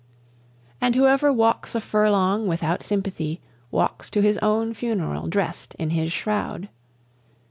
And whoever walks a furlong without sympathy walks to his own funeral drest in his shroud.